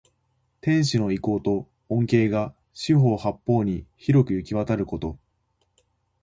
天子の威光と恩恵が四方八方に広くゆきわたること。